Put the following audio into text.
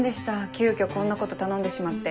急遽こんなこと頼んでしまって。